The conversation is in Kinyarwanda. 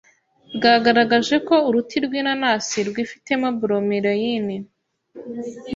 bwagaragaje ko uruti rw’inanasi rwifitemo bromelayine